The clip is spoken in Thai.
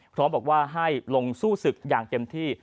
พร้อมบอกว่าให้ลงสู้ศึกอย่างเต็มที่